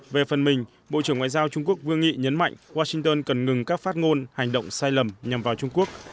về phần mình bộ trưởng ngoại giao trung quốc vương nghị nhấn mạnh washington cần ngừng các phát ngôn hành động sai lầm nhằm vào trung quốc